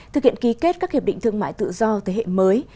thực hiện ký kết các hiệp định thương mại tự do thế hệ mới